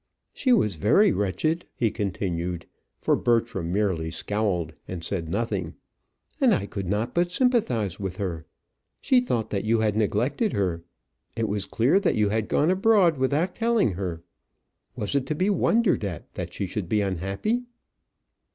"She was very wretched," he continued, for Bertram merely scowled and said nothing, "and I could not but sympathize with her. She thought that you had neglected her. It was clear that you had gone abroad without telling her. Was it to be wondered at that she should be unhappy?"